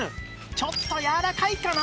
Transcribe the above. ちょっとやわらかいかな？